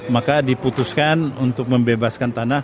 maka diputuskan untuk membebaskan tanah